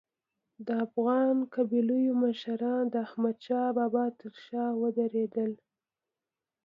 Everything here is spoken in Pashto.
د افغان قبایلو مشران د احمدشاه بابا تر شا ودرېدل.